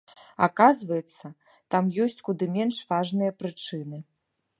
Аказваецца, там ёсць куды менш важныя прычыны.